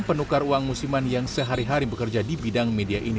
penukar uang musiman yang sehari hari bekerja di bidang media ini